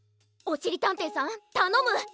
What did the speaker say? おしりたんていさんたのむ！